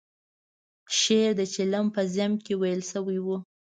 شعر د چلم په ذم کې ویل شوی و.